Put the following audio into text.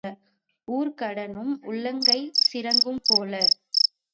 ஊர்க்கடனும் உள்ளங்கைச் சிரங்கும் போல.